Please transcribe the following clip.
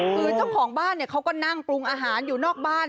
คือเจ้าของบ้านเขาก็นั่งปรุงอาหารอยู่นอกบ้าน